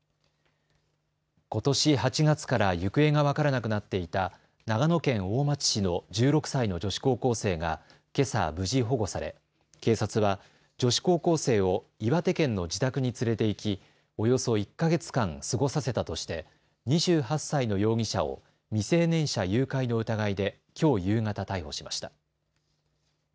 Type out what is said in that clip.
ことし８月から行方が分からなくなっていた長野県大町市の１６歳の女子高校生がけさ無事保護され、警察は女子高校生を岩手県の自宅に連れて行き、およそ１か月間過ごさせたとして２８歳の容疑者を未成年者誘拐の疑いできょう夕方、逮捕しました。